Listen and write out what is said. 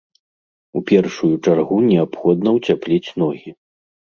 У першую чаргу неабходна ўцяпліць ногі.